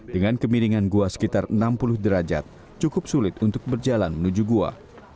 dan kemiringan gua sekitar enam puluh derajat cukup sulit untuk berjalan menuju gua